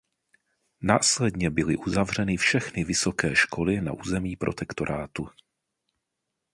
Následně byly uzavřeny všechny Vysoké školy na území protektorátu.